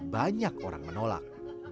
banyak orang menolak